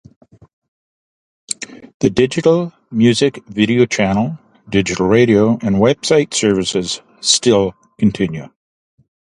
The digital music video channel, digital radio, and website services still continue.